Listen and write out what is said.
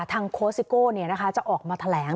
ทางโคสิโก้เนี่ยนะคะจะออกมาแถลง